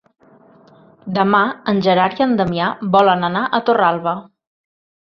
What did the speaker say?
Demà en Gerard i en Damià volen anar a Torralba.